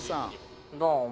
「どうも。